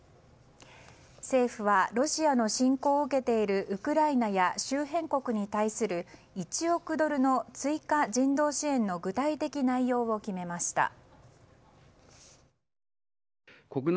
政府はロシアの侵攻を受けているウクライナや周辺国に対する１億ドルの追加人道支援の具体的内容を決めました。